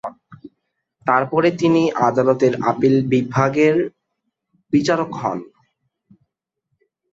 তারপরে তিনি আদালতের আপিল বিভাগের বিচারক হন।